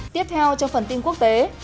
tiếp theo trong phần tin quốc tế